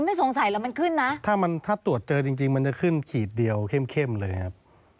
ไม่ครับเพราะเรารู้ว่าไม่ได้เสพ